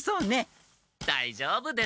だいじょうぶです。